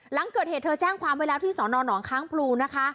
หลังเกิดเหตุเธอแจ้งความไว้แล้วที่สอนอนองค้างพลูนะคะ